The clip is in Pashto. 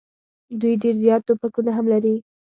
دوی ډېر زیات توپکونه هم لري.